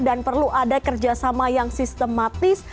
dan perlu ada kerjasama yang sistematis